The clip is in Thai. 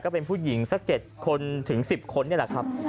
เป็นผู้หญิงสัก๗คนถึง๑๐คนนี่แหละครับ